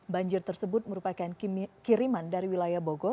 banjir tersebut merupakan kiriman dari wilayah bogor